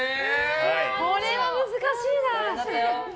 これは難しいな。